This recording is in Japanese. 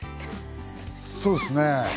そうすね。